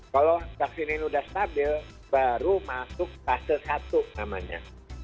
kalau vaksin ini sudah stabil baru masuk fase satu namanya